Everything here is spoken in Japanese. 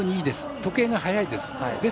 時計が早いです。